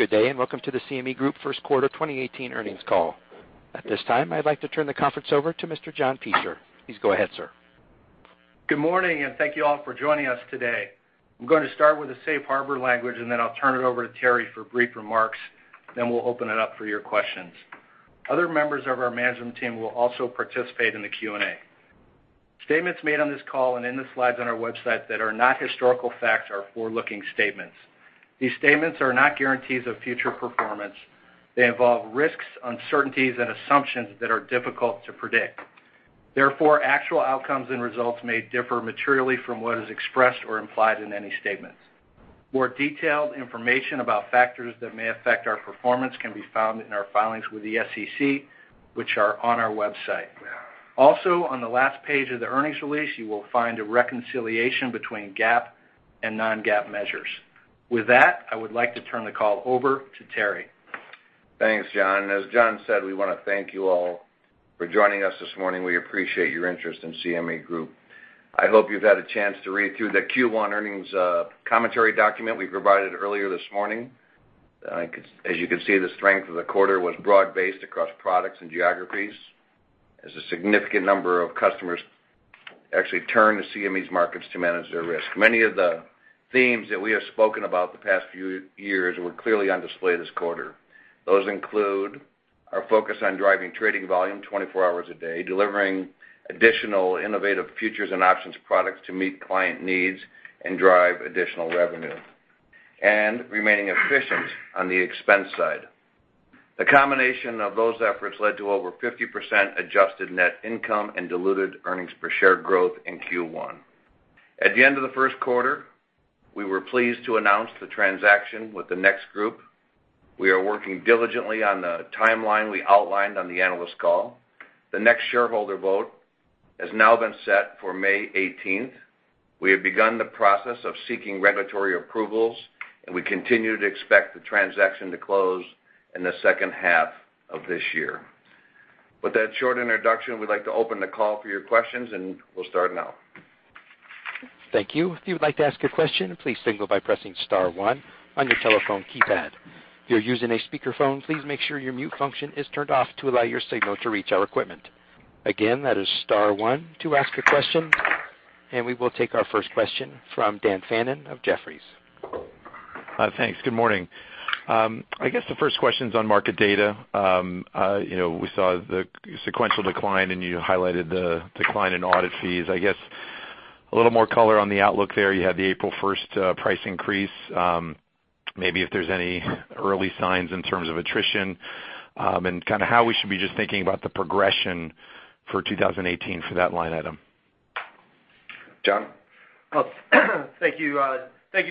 Good day, and welcome to the CME Group First Quarter 2018 Earnings Call. At this time, I'd like to turn the conference over to Mr. John Pietrowicz. Please go ahead, sir. Good morning, and thank you all for joining us today. I'm going to start with the safe harbor language, and then I'll turn it over to Terry for brief remarks, then we'll open it up for your questions. Other members of our management team will also participate in the Q&A. Statements made on this call and in the slides on our website that are not historical facts are forward-looking statements. These statements are not guarantees of future performance. They involve risks, uncertainties, and assumptions that are difficult to predict. Therefore, actual outcomes and results may differ materially from what is expressed or implied in any statement. More detailed information about factors that may affect our performance can be found in our filings with the SEC, which are on our website. Also, on the last page of the earnings release, you will find a reconciliation between GAAP and non-GAAP measures. With that, I would like to turn the call over to Terry. Thanks, John. As John said, we want to thank you all for joining us this morning. We appreciate your interest in CME Group. I hope you've had a chance to read through the Q1 earnings commentary document we provided earlier this morning. As you can see, the strength of the quarter was broad-based across products and geographies as a significant number of customers actually turn to CME's markets to manage their risk. Many of the themes that we have spoken about the past few years were clearly on display this quarter. Those include our focus on driving trading volume 24 hours a day, delivering additional innovative futures and options products to meet client needs and drive additional revenue, and remaining efficient on the expense side. The combination of those efforts led to over 50% adjusted net income and diluted earnings per share growth in Q1. At the end of the first quarter, we were pleased to announce the transaction with the NEX Group. We are working diligently on the timeline we outlined on the analyst call. The NEX shareholder vote has now been set for May 18th. We have begun the process of seeking regulatory approvals, and we continue to expect the transaction to close in the second half of this year. With that short introduction, we'd like to open the call for your questions. We'll start now. Thank you. If you would like to ask a question, please signal by pressing *1 on your telephone keypad. If you're using a speakerphone, please make sure your mute function is turned off to allow your signal to reach our equipment. Again, that is *1 to ask a question. We will take our first question from Daniel Fannon of Jefferies. Thanks. Good morning. I guess the first question's on market data. We saw the sequential decline. You highlighted the decline in audit fees. I guess a little more color on the outlook there. You had the April 1st price increase. Maybe if there's any early signs in terms of attrition. How we should be just thinking about the progression for 2018 for that line item. John? Thank you,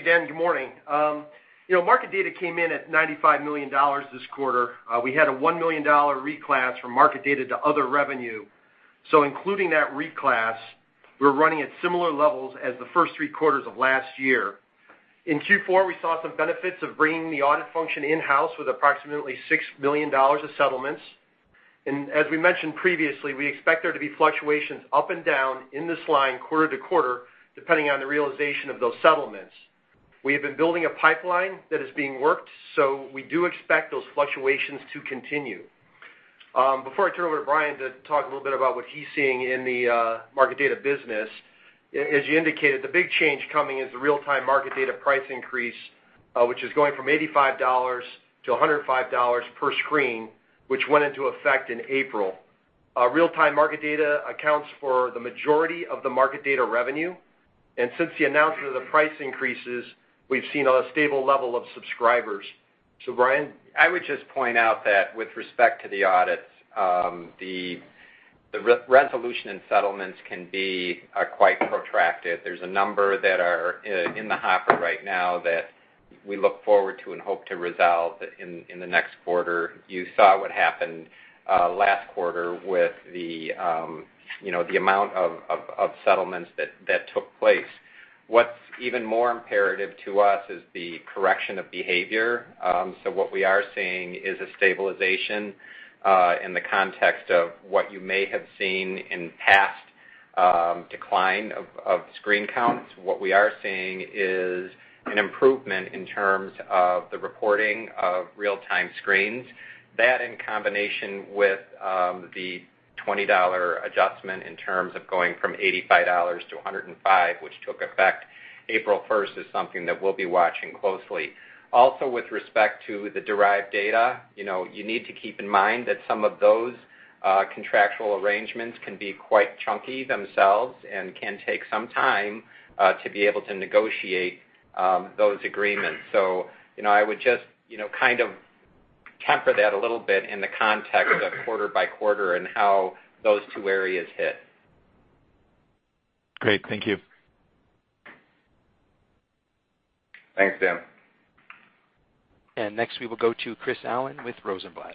Dan. Good morning. Market data came in at $95 million this quarter. We had a $1 million reclass from market data to other revenue. Including that reclass, we're running at similar levels as the first three quarters of last year. In Q4, we saw some benefits of bringing the audit function in-house with approximately $6 million of settlements. As we mentioned previously, we expect there to be fluctuations up and down in this line quarter to quarter, depending on the realization of those settlements. We have been building a pipeline that is being worked. We do expect those fluctuations to continue. Before I turn it over to Bryan to talk a little bit about what he's seeing in the market data business, as you indicated, the big change coming is the real-time market data price increase, which is going from $85 to $105 per screen, which went into effect in April. Real-time market data accounts for the majority of the market data revenue, and since the announcement of the price increases, we've seen a stable level of subscribers. Bryan? I would just point out that with respect to the audits, the resolution and settlements can be quite protracted. There's a number that are in the hopper right now that we look forward to and hope to resolve in the next quarter. You saw what happened last quarter with the amount of settlements that took place. What's even more imperative to us is the correction of behavior. What we are seeing is a stabilization in the context of what you may have seen in past decline of screen counts. What we are seeing is an improvement in terms of the reporting of real-time screens. That in combination with the $20 adjustment in terms of going from $85 to $105, which took effect April 1st, is something that we'll be watching closely. With respect to the derived data, you need to keep in mind that some of those contractual arrangements can be quite chunky themselves and can take some time to be able to negotiate those agreements. I would just kind of temper that a little bit in the context of quarter by quarter and how those two areas hit. Great. Thank you. Thanks, Dan. Next we will go to Christopher Allen with Rosenblatt.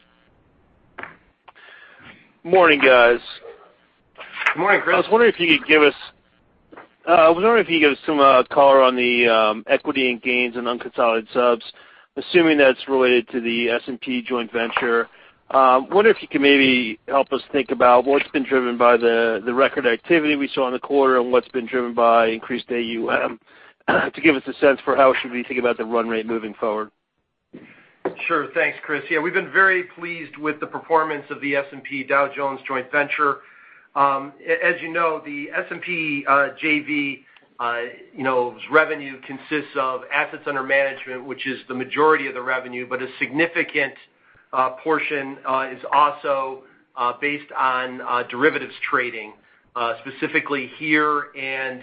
Morning, guys. Morning, Chris. I was wondering if you could give us some color on the equity and gains in unconsolidated subs, assuming that's related to the S&P joint venture. Wonder if you could maybe help us think about what's been driven by the record activity we saw in the quarter and what's been driven by increased AUM to give us a sense for how we should be thinking about the run rate moving forward. Sure. Thanks, Chris. Yeah, we've been very pleased with the performance of the S&P, Dow Jones joint venture. As you know, the S&P JV's revenue consists of assets under management, which is the majority of the revenue, but a significant portion is also based on derivatives trading, specifically here and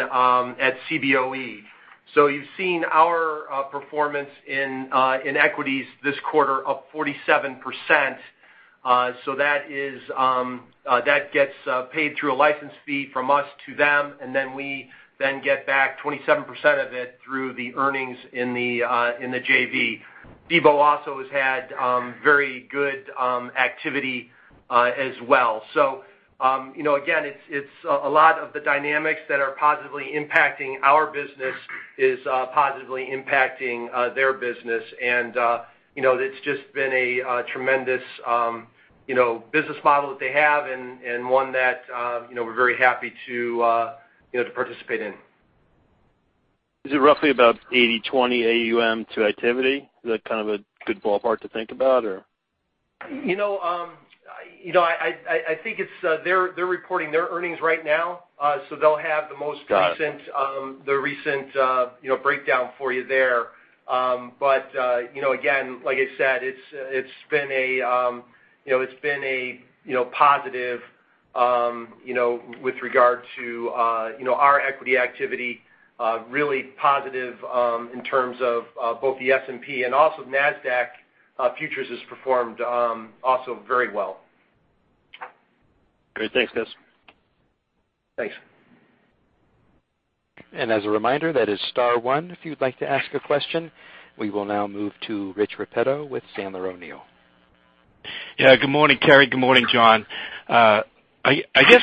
at Cboe. You've seen our performance in equities this quarter up 47%. That gets paid through a license fee from us to them, and then we then get back 27% of it through the earnings in the JV. Cboe also has had very good activity as well. Again, it's a lot of the dynamics that are positively impacting our business is positively impacting their business. And it's just been a tremendous business model that they have and one that we're very happy to participate in. Is it roughly about 80/20 AUM to activity? Is that a good ballpark to think about, or? I think they're reporting their earnings right now, they'll have the most recent. Got it The recent breakdown for you there. Again, like I said, it's been a positive with regard to our equity activity, really positive in terms of both the S&P and also Nasdaq Futures has performed also very well. Great. Thanks, guys. Thanks. As a reminder, that is star one if you'd like to ask a question. We will now move to Rich Repetto with Sandler O'Neill. Yeah. Good morning, Terry. Good morning, John. I guess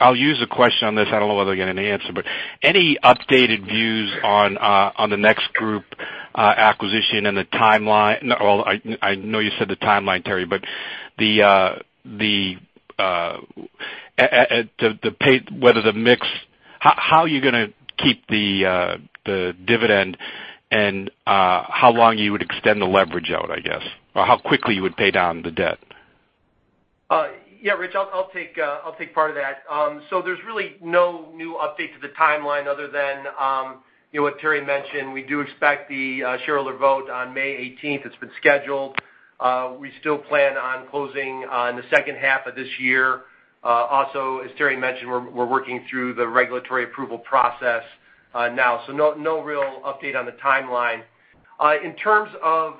I'll use a question on this. I don't know whether I'll get an answer, but any updated views on the NEX Group acquisition and the timeline? I know you said the timeline, Terry, but how are you going to keep the dividend, and how long you would extend the leverage out, I guess, or how quickly you would pay down the debt? Yeah, Rich, I'll take part of that. There's really no new update to the timeline other than what Terry mentioned. We do expect the shareholder vote on May 18th. It's been scheduled. We still plan on closing in the second half of this year. Also, as Terry mentioned, we're working through the regulatory approval process now. No real update on the timeline. In terms of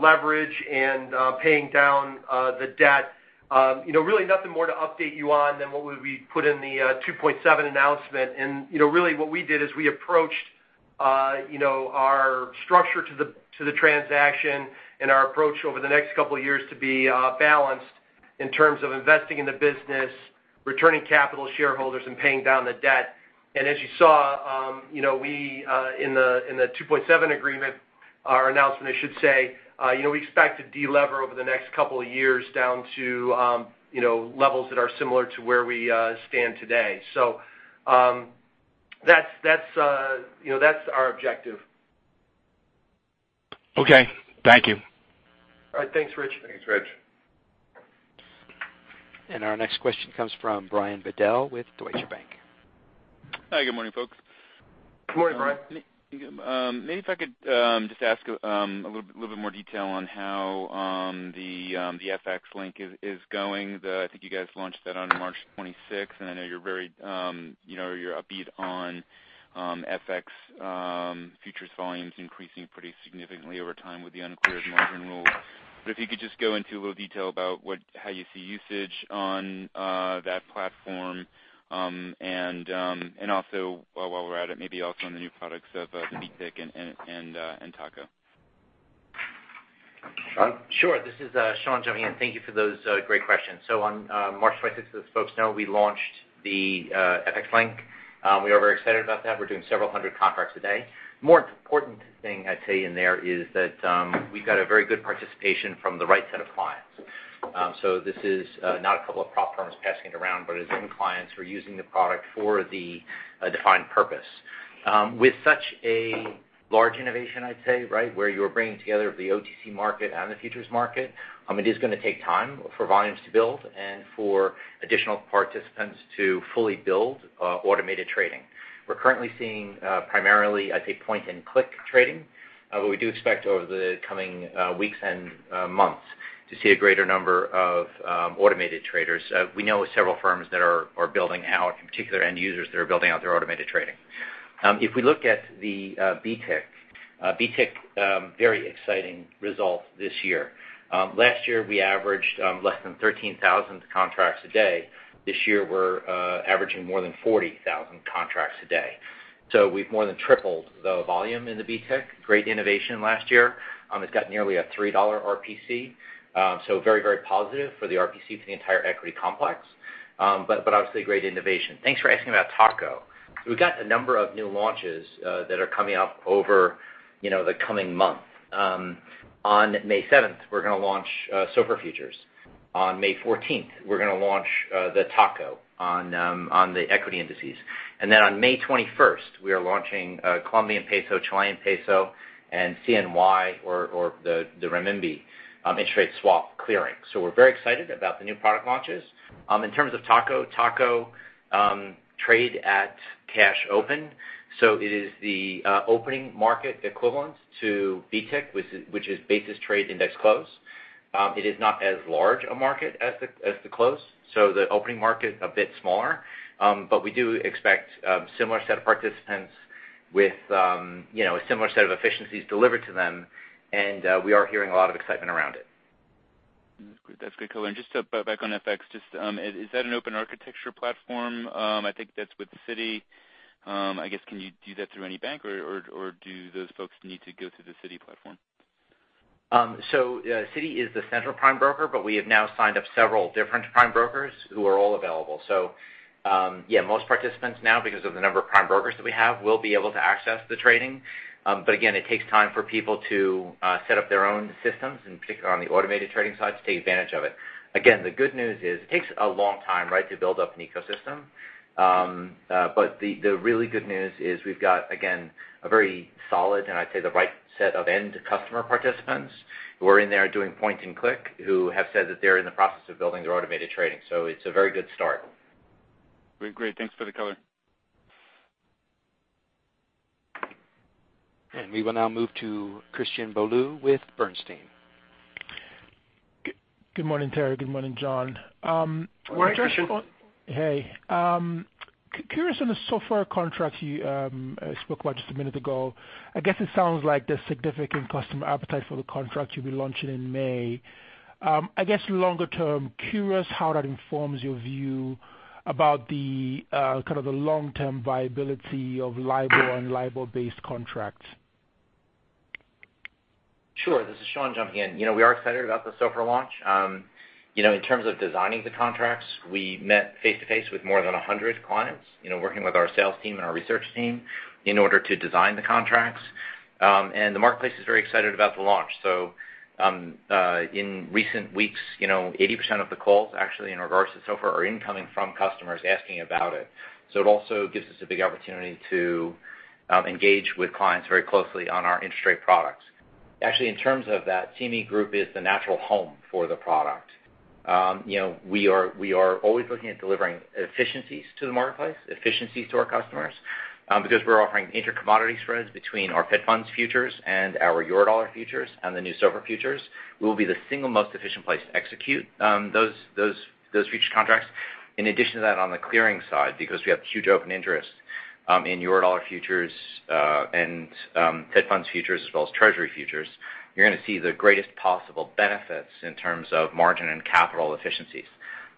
leverage and paying down the debt, really nothing more to update you on than what we put in the Rule 2.7 announcement. Really what we did is we approached our structure to the transaction and our approach over the next couple of years to be balanced in terms of investing in the business, returning capital to shareholders, and paying down the debt. As you saw, in the Rule 2.7 agreement, our announcement, I should say, we expect to de-lever over the next couple of years down to levels that are similar to where we stand today. That's our objective. Okay. Thank you. All right. Thanks, Rich. Thanks, Rich. Our next question comes from Brian Bedell with Deutsche Bank. Hi. Good morning, folks. Good morning, Brian. Maybe if I could just ask a little bit more detail on how the FX Link is going. I think you guys launched that on March 26th, and I know you're upbeat on FX futures volumes increasing pretty significantly over time with the uncleared margin rule. If you could just go into a little detail about how you see usage on that platform and also, while we're at it, maybe also on the new products of the BTIC and TACO. Sean? Sure. This is Sean jumping in. Thank you for those great questions. On March 26th, as folks know, we launched the FX Link. We are very excited about that. We're doing several hundred contracts a day. More important thing I'd say in there is that we got a very good participation from the right set of clients. This is not a couple of prop firms passing it around, but it is end clients who are using the product for the defined purpose. With such a large innovation, I'd say, where you're bringing together the OTC market and the futures market, it is going to take time for volumes to build and for additional participants to fully build automated trading. We're currently seeing primarily, I'd say, point-and-click trading, but we do expect over the coming weeks and months to see a greater number of automated traders. We know several firms that are building out, in particular end users that are building out their automated trading. If we look at the BTIC, very exciting results this year. Last year, we averaged less than 13,000 contracts a day. This year, we're averaging more than 40,000 contracts a day. We've more than tripled the volume in the BTIC. Great innovation last year. It's got nearly a $3 RPC. Very positive for the RPC for the entire equity complex. Obviously, great innovation. Thanks for asking about TACO. We've got a number of new launches that are coming up over the coming month. On May 7th, we're going to launch SOFR futures. On May 14th, we're going to launch the TACO on the equity indices. On May 21st, we are launching Colombian peso, Chilean peso, and CNY or the renminbi interest rate swap clearing. We're very excited about the new product launches. In terms of TACO, trade at cash open, it is the opening market equivalent to BTIC, which is Basis Trade at Index Close. It is not as large a market as the close, the opening market a bit smaller. We do expect a similar set of participants with a similar set of efficiencies delivered to them, and we are hearing a lot of excitement around it. That's good color. Just to butt back on FX, just is that an open architecture platform? I think that's with Citi. I guess can you do that through any bank, or do those folks need to go through the Citi platform? Citi is the central prime broker, we have now signed up several different prime brokers who are all available. Yeah, most participants now, because of the number of prime brokers that we have, will be able to access the trading. Again, it takes time for people to set up their own systems, in particular on the automated trading side, to take advantage of it. Again, the good news is it takes a long time to build up an ecosystem. The really good news is we've got, again, a very solid and I'd say the right set of end customer participants who are in there doing point-and-click who have said that they're in the process of building their automated trading. It's a very good start. Great. Thanks for the color. We will now move to Christian Bolu with Bernstein. Good morning, Terrence A. Duffy. Good morning, John W. Pietrowicz. Morning, Christian Bolu. Hey. Curious on the SOFR contract you spoke about just a minute ago. I guess it sounds like there's significant customer appetite for the contract you'll be launching in May. I guess longer term, curious how that informs your view about the long-term viability of LIBOR and LIBOR-based contracts. Sure. This is Sean Tully jumping in. We are excited about the SOFR launch. In terms of designing the contracts, we met face-to-face with more than 100 clients, working with our sales team and our research team in order to design the contracts. The marketplace is very excited about the launch. In recent weeks, 80% of the calls actually in regards to SOFR are incoming from customers asking about it. It also gives us a big opportunity to engage with clients very closely on our interest rate products. Actually, in terms of that, CME Group is the natural home for the product. We are always looking at delivering efficiencies to the marketplace, efficiencies to our customers. Because we're offering inter-commodity spreads between our Fed Funds futures and our Eurodollar futures and the new SOFR futures, we will be the single most efficient place to execute those future contracts. In addition to that, on the clearing side, because we have huge open interest in Eurodollar futures and Fed Funds futures as well as Treasury futures, you're going to see the greatest possible benefits in terms of margin and capital efficiencies.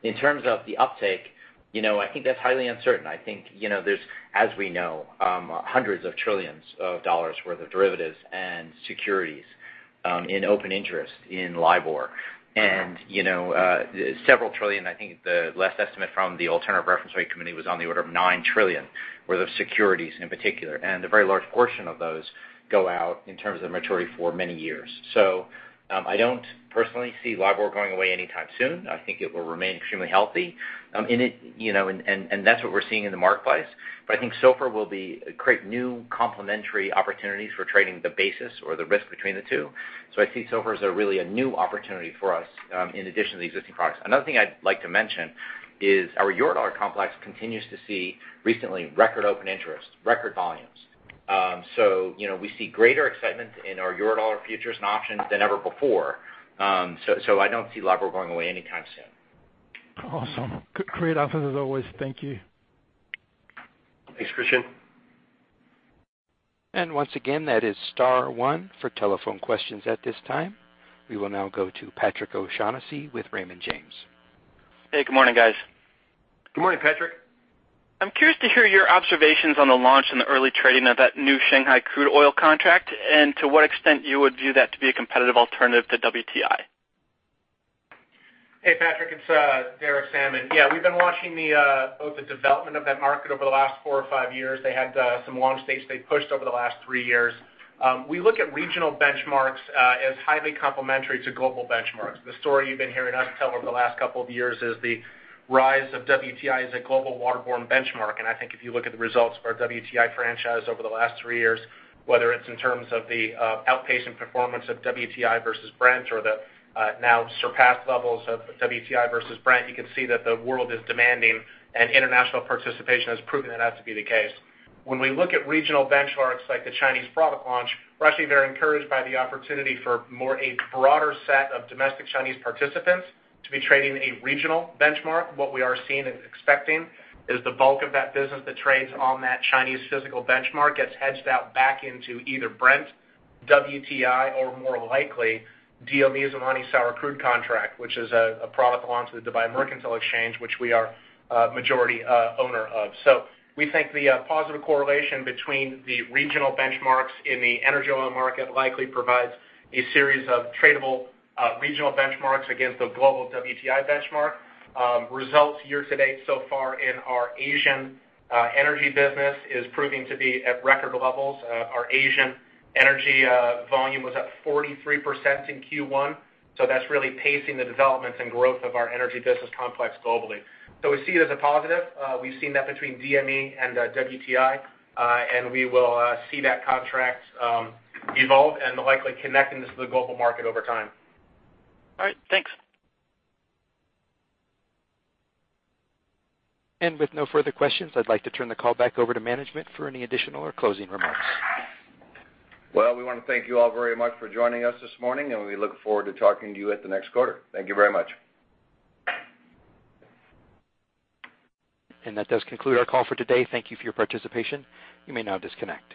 In terms of the uptake, I think that's highly uncertain. I think there's, as we know, hundreds of trillions of dollars' worth of derivatives and securities in open interest in LIBOR. Several trillion, I think the last estimate from the Alternative Reference Rates Committee was on the order of $9 trillion worth of securities in particular, and a very large portion of those go out in terms of maturity for many years. I don't personally see LIBOR going away anytime soon. I think it will remain extremely healthy, and that's what we're seeing in the marketplace. I think SOFR will create new complementary opportunities for trading the basis or the risk between the two. I see SOFR as really a new opportunity for us in addition to the existing products. Another thing I'd like to mention is our Eurodollar complex continues to see recently record open interest, record volumes. We see greater excitement in our Eurodollar futures and options than ever before. I don't see LIBOR going away anytime soon. Awesome. Great answers as always. Thank you. Thanks, Christian. Once again, that is star one for telephone questions at this time. We will now go to Patrick O'Shaughnessy with Raymond James. Hey, good morning, guys. Good morning, Patrick. I'm curious to hear your observations on the launch and the early trading of that new Shanghai crude oil contract, and to what extent you would view that to be a competitive alternative to WTI. Hey, Patrick, it's Derek Sammann. Yeah, we've been watching both the development of that market over the last four or five years. They had some launch dates they pushed over the last three years. We look at regional benchmarks as highly complementary to global benchmarks. The story you've been hearing us tell over the last couple of years is the rise of WTI as a global waterborne benchmark, and I think if you look at the results of our WTI franchise over the last three years, whether it's in terms of the outpaced performance of WTI versus Brent or the now surpassed levels of WTI versus Brent, you can see that the world is demanding, and international participation has proven that out to be the case. When we look at regional benchmarks like the Chinese product launch, we're actually very encouraged by the opportunity for a broader set of domestic Chinese participants to be trading a regional benchmark. What we are seeing and expecting is the bulk of that business that trades on that Chinese physical benchmark gets hedged out back into either Brent, WTI, or more likely, DME's Oman sour crude contract, which is a product launch of the Dubai Mercantile Exchange, which we are majority owner of. We think the positive correlation between the regional benchmarks in the energy oil market likely provides a series of tradable regional benchmarks against the global WTI benchmark. Results year to date so far in our Asian energy business is proving to be at record levels. Our Asian energy volume was up 43% in Q1, that's really pacing the developments and growth of our energy business complex globally. We see it as a positive. We've seen that between DME and WTI, we will see that contract evolve and likely connecting this to the global market over time. All right. Thanks. With no further questions, I'd like to turn the call back over to management for any additional or closing remarks. Well, we want to thank you all very much for joining us this morning, and we look forward to talking to you at the next quarter. Thank you very much. That does conclude our call for today. Thank you for your participation. You may now disconnect.